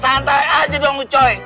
santai aja dong cuy